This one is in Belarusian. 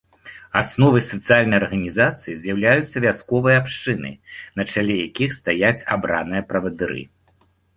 Асновай сацыяльнай арганізацыі з'яўляюцца вясковыя абшчыны, на чале якіх стаяць абраныя правадыры.